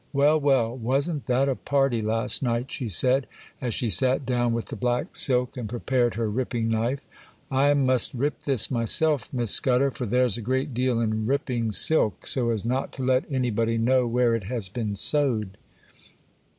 Well, well; wasn't that a party last night!' she said, as she sat down with the black silk and prepared her ripping knife. 'I must rip this myself, Miss Scudder; for there's a great deal in ripping silk, so as not to let anybody know where it has been sewed.